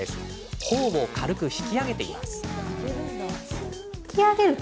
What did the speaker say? ほおを軽く引き上げています。